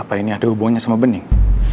apa ini ada hubungannya sama bening